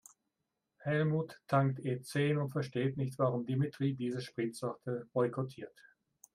Helmut tankt E-zehn und versteht nicht, warum Dimitri diese Spritsorte boykottiert.